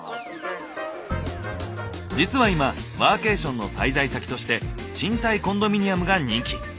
実は今ワーケーションの滞在先として賃貸コンドミニアムが人気。